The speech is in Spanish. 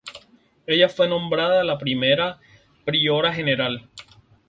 Ella fue nombrada la primera priora general.